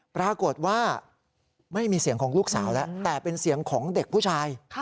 ปรากฏว่าไม่มีเสียงของลูกสาวแล้วแต่เป็นเสียงของเด็กผู้ชาย